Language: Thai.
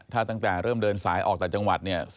ถ้าตั้งแต่เริ่มเดินสายออกจากจังหวัด